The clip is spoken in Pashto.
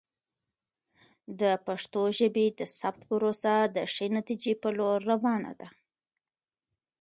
د پښتو ژبې د ثبت پروسه د ښې نتیجې په لور روانه ده.